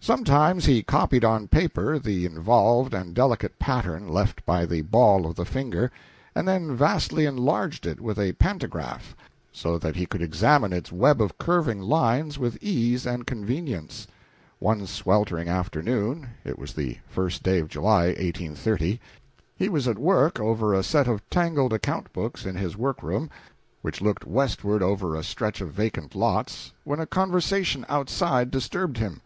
Sometimes he copied on paper the involved and delicate pattern left by the ball of a finger, and then vastly enlarged it with a pantograph so that he could examine its web of curving lines with ease and convenience. One sweltering afternoon it was the first day of July, 1830 he was at work over a set of tangled account books in his work room, which looked westward over a stretch of vacant lots, when a conversation outside disturbed him.